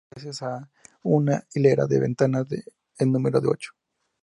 Es muy luminosa gracias a una hilera de ventanas, en número de ocho.